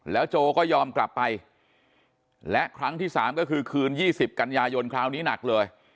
โจก็ยอมกลับไปและครั้งที่สามก็คือคืน๒๐กันยายนคราวนี้หนักเลย